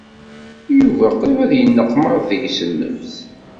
Yuba qrib ay yenneqmaḍ deg-s nnefs.